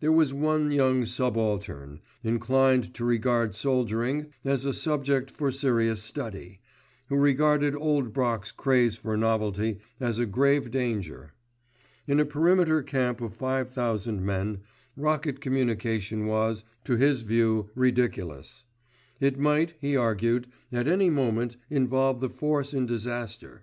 There was one young subaltern, inclined to regard soldiering as a subject for serious study, who regarded Old Brock's craze for novelty as a grave danger. In a perimeter camp of 5,000 men, rocket communication was, to his view, ridiculous. It might, he argued, at any moment involve the force in disaster.